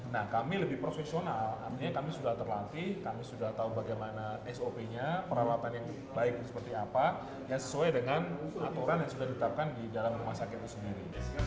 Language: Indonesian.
nah kami lebih profesional artinya kami sudah terlatih kami sudah tahu bagaimana sop nya peralatan yang baik seperti apa yang sesuai dengan aturan yang sudah ditetapkan di dalam rumah sakit itu sendiri